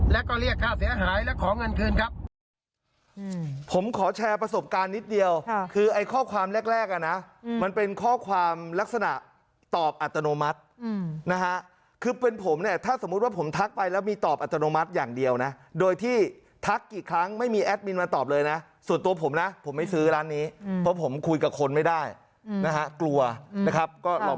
แล้วก็เรียกค่าเสียหายและขอเงินคืนครับ